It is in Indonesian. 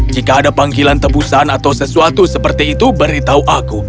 jika ada panggilan tebusan atau sesuatu seperti itu beritahu aku